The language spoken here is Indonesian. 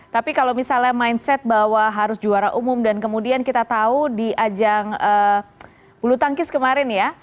tapi kalau misalnya mindset bahwa harus juara umum dan kemudian kita tahu di ajang bulu tangkis kemarin ya